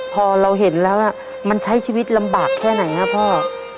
พอเราเห็นลักขามันใช้ชีวิตลำบากแค่ไหน